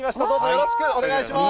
よろしくお願いします。